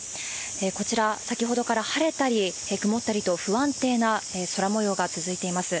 こちら、先ほどから晴れたり曇ったりと、不安定な空もようが続いています。